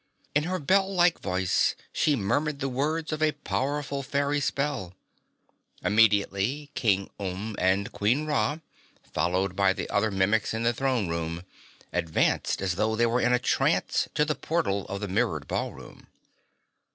In her bell like voice she murmured the words of a powerful fairy spell. Immediately King Umb and Queen Ra, followed by the other Mimics in the throne room, advanced as though they were in a trance to the portal of the mirrored ballroom.